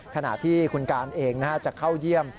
ขณะที่คุณการเองจะเข้าเยี่ยม